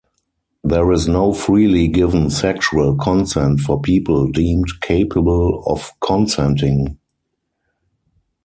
There is no freely given sexual consent for people deemed capable of consenting.